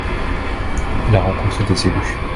Il a rencontré des élus.